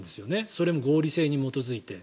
それも合理性に基づいて。